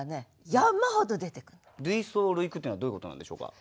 類想類句っていうのはどういうことなんでしょうか。